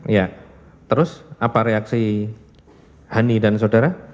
ya terus apa reaksi hani dan saudara